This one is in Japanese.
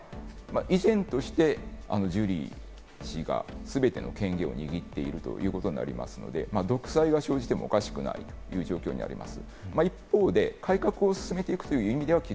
現状においては依然としてジュリー氏が全ての権限を握っているということになりますので、独裁が生じてもおかしくない状況が生じております。